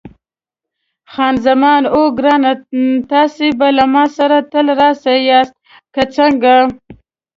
خان زمان: اوه ګرانه، تاسي به له ما سره تل راسره یاست، که څنګه؟